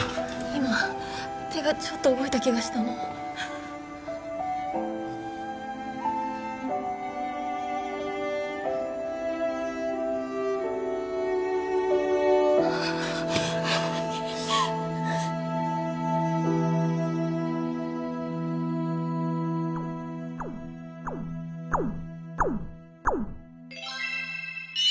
今手がちょっと動いた気がしたのああっああっ！